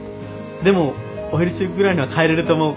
でもお昼過ぎぐらいには帰れると思う。